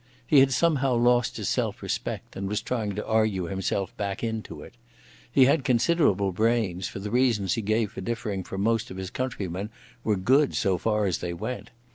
He had somehow lost his self respect and was trying to argue himself back into it. He had considerable brains, for the reasons he gave for differing from most of his countrymen were good so far as they went.